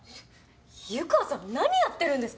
湯川さん何やってるんですか？